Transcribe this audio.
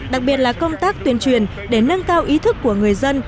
đặc biệt là công tác tuyên truyền để nâng cao ý thức của người dân